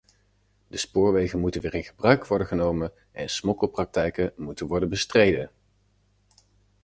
De spoorwegen moeten weer in gebruik worden genomen en smokkelpraktijken moeten worden bestreden.